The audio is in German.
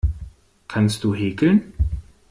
Kannst du häkeln?